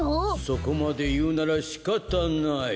そこまでいうならしかたない。